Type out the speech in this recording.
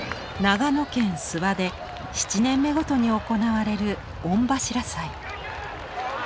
長野県諏訪で７年目ごとに行われる御柱祭。